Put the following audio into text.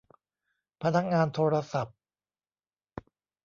พนักงานโทรศัพท์